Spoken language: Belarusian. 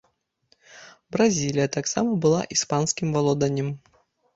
Бразілія таксама была іспанскім валоданнем.